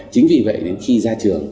chính vì vậy đến khi ra trường